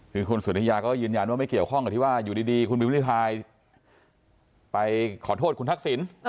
คือคุณสุธิยาก็ยืนยันว่าไม่เกี่ยวข้องกับที่ว่าอยู่ดีคุณพิวริพายไปขอโทษคุณทักษิณ